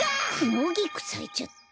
ノギクさいちゃった。